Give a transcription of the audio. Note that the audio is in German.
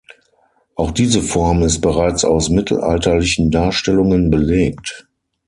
Auch diese Form ist bereits aus mittelalterlichen Darstellungen belegt.